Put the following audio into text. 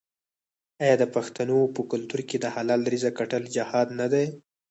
آیا د پښتنو په کلتور کې د حلال رزق ګټل جهاد نه دی؟